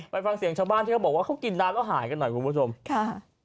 ไปฟังเสียงชาวบ้านที่เขาบอกว่าเขากินน้ำแล้วหายกันหน่อยคุณผู้ชมค่ะ